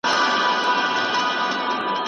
د شهید زیارت یې ورک دی پر قاتل جنډۍ ولاړي